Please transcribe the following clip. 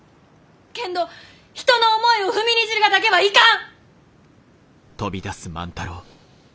けんど人の思いを踏みにじるがだけはいかん！